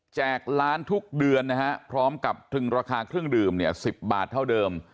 ร้านทุกเดือนนะฮะพร้อมกับตรึงราคาเครื่องดื่มเนี่ย๑๐บาทเท่าเดิม